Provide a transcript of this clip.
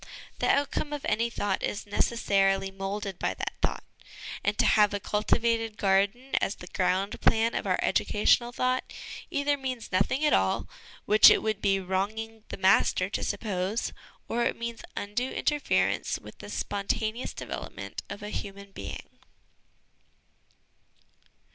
The out come of any thought is necessarily moulded by that thought, and to have a cultivated garden as the ground plan of our educational thought, either means igo HOME EDUCATION nothing at all, which it would be wronging the Master to suppose, or it means undue interference with the spontaneous development of a human being.